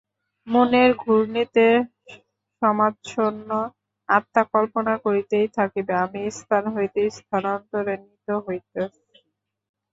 মনের ঘূর্ণিতে সমাচ্ছন্ন আত্মা কল্পনা করিতেই থাকিবে, আমি স্থান হইতে স্থানান্তরে নীত হইতেছি।